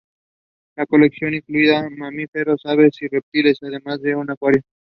La colección incluiría mamíferos, aves y reptiles, además de un acuario.